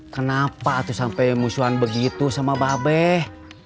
kenapa tuh sampai musuhan begitu sama babeh